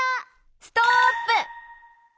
ストップ！